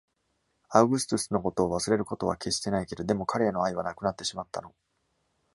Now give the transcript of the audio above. アウグストゥスのことを忘れることは決してないけど、でも彼への愛はなくなってしまったの。